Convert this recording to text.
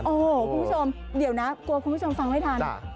โอ้โหคุณผู้ชมเดี๋ยวนะกลัวคุณผู้ชมฟังไม่ทัน